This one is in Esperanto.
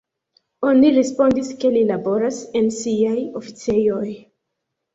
Oni respondis, ke li laboras en siaj oficejoj.